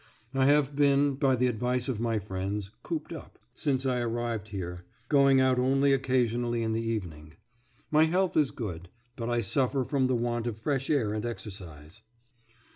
I have been, by the advice of my friends, "cooped up" since I arrived here, going out only occasionally in the evening. My health is good, but I suffer from the want of fresh air and exercise.